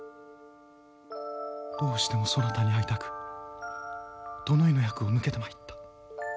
どうしてもそなたに会いたく宿直の役を抜けてまいった。